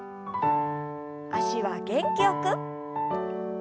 脚は元気よく。